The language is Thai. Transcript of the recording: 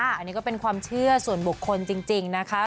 อันนี้ก็เป็นความเชื่อส่วนบุคคลจริงนะคะ